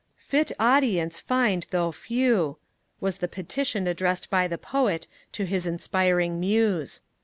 'Fit audience find though few,' was the petition addressed by the Poet to his inspiring Muse.